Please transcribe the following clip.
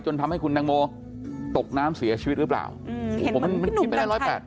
จนทำให้คุณนังโมตกน้ำเสียชีวิตหรือเปล่าอืมเห็นมันพี่หนุ่มกันชาย